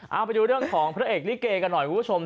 เอาไปดูเรื่องของพระเอกลิเกกันหน่อยคุณผู้ชม